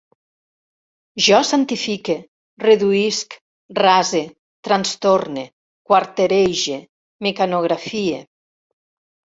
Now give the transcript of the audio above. Jo santifique, reduïsc, rase, trastorne, quarterege, mecanografie